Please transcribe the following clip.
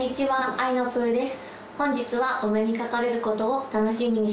あいなぷぅです。